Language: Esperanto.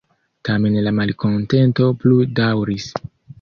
Tamen la malkontento plu-daŭris.